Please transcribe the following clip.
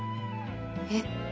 えっ。